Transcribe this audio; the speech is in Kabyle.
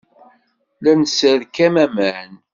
La d-nesserkam aman.